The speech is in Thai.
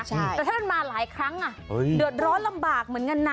แต่ถ้ามันมาหลายครั้งเดือดร้อนลำบากเหมือนกันนะ